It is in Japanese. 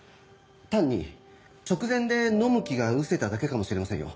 単に直前で飲む気がうせただけかもしれませんよ。